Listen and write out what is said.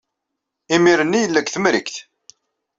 Imir-nni yella deg Temrikt.